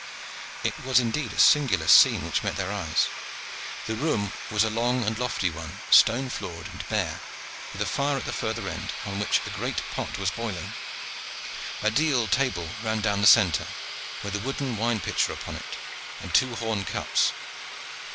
It was indeed a singular scene which met their eyes. The room was a long and lofty one, stone floored and bare, with a fire at the further end upon which a great pot was boiling. A deal table ran down the centre, with a wooden wine pitcher upon it and two horn cups.